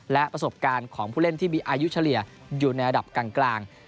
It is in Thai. และประสบการณ์ของผู้เล่นที่มีอายุเฉลี่ยอยู่ในระดับกลาง